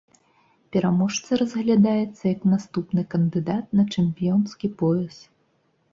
Пераможца разглядаецца як наступны кандыдат на чэмпіёнскі пояс.